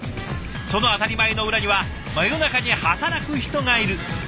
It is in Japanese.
その当たり前の裏には真夜中に働く人がいる。